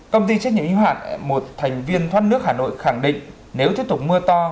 công ty trách nhiệm y hoạn một thành viên thoát nước hà nội khẳng định nếu tiếp tục mưa to